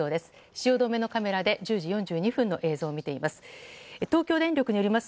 汐留のカメラで１０時４２分の映像です。